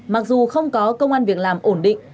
mặc dù không có công an việc làm ổn định